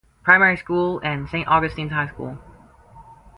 Primary School and St.Augustine's High School.